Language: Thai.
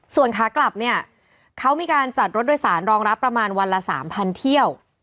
ส่วนขากลับเนี่ยเขามีการจัดรถโดยสารรองรับประมาณวันละ๓๐๐เที่ยว